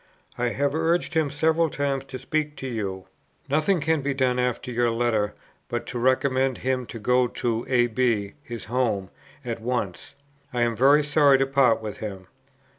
I have urged him several times to speak to you. "Nothing can be done after your letter, but to recommend him to go to A. B. (his home) at once. I am very sorry to part with him."